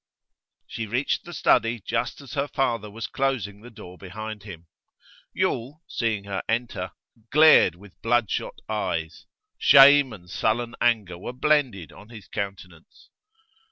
She reached the study just as her father was closing the door behind him. Yule, seeing her enter, glared with bloodshot eyes; shame and sullen anger were blended on his countenance.